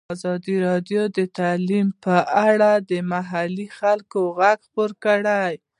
ازادي راډیو د تعلیم په اړه د محلي خلکو غږ خپور کړی.